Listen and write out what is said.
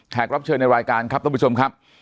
รับเชิญในรายการครับท่านผู้ชมครับ